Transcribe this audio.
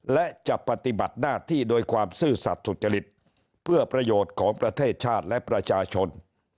และจะปฏิบัติหน้าที่โดยความซื่อสัตว์สุจริตเพื่อประโยชน์ของประเทศชาติและประชาชน